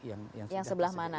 yang sebelah mana